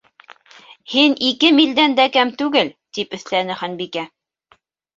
—Һин ике милдән дә кәм түгел, —тип өҫтәне Ханбикә.